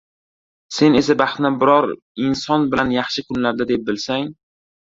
Sen esa baxtni biror inson bilan yaxshi kunlarda deb bilsang....